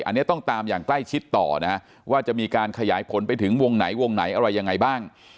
อันนี้ต้องตามอย่างใกล้ชิดต่อนะฮะว่าจะมีการขยายผลไปถึงวงไหนวงไหนอะไรยังไงบ้าง